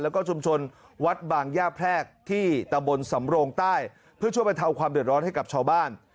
แล้วก็ชุมชนวัดบางย่าแพรกที่ตะบนสำโรงใต้เพื่อช่วยบรรเทาความเดือดร้อนให้กับชาวบ้าน